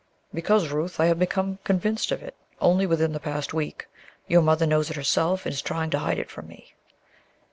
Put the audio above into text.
"Because, Ruth, I have become convinced of it only within the past week. Your mother knows it herself, and is trying to hide it from me."